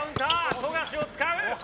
富樫を使う。